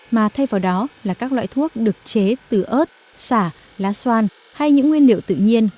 mà thay vào đó là các loại thuốc được chế từ ớt xả lá xoan hay những nguyên liệu tự nhiên